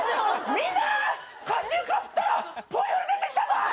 みんな！かしゆか振ったらポイフル出てきたぞ！